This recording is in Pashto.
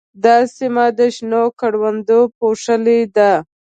دا سیمه د شنو کروندو پوښلې ده.